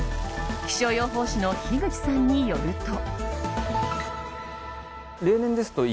気象予報士の樋口さんによると。